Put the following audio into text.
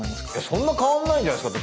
そんな変わんないんじゃないですか？